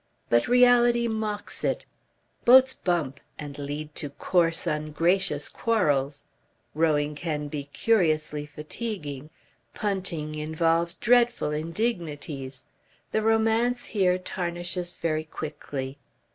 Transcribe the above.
But reality mocks it. Boats bump and lead to coarse ungracious quarrels; rowing can be curiously fatiguing; punting involves dreadful indignities. The romance here tarnishes very quickly.